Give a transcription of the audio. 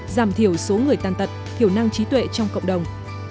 giảm thiểu số người tàn tật thiểu năng trí tuệ trong cộng đồng